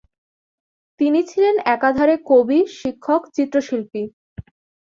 তিনি ছিলেন একাধারে কবি, শিক্ষক, চিত্রশিল্পী।